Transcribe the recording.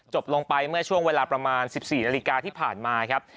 ลงไปเมื่อช่วงเวลาประมาณ๑๔นาฬิกาที่ผ่านมาครับ